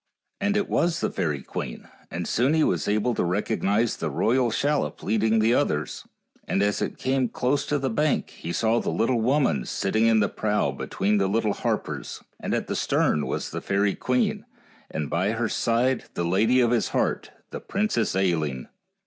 And it was the fairy queen, and soon he was able to recognize the royal shallop leading the others, and as it came close to the bank he saw the little woman sitting in the prow between the little harpers, and at the stern was the fairy queen, and by her side the lady of his heart, the Princess Ailinn.